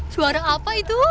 suara apa itu